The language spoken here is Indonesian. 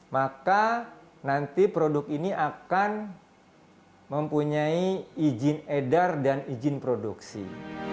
maka nanti produk ini akan mempunyai izin edar dan izin produksi